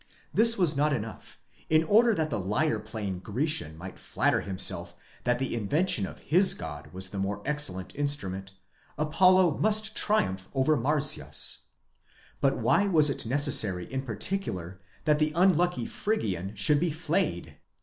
'This was not enough: in order that the lyre playing Grecian might flatter himself that the invention of his god was the more excellent instrument, Apollo must triumph over Marsyas. But why was it necessary in particular that the un lucky Phrygian should be flayed?